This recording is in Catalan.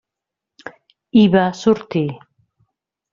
I va sortir.